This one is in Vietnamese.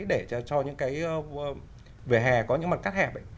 để cho những cái vỉa hè có những mặt cắt hẹp ấy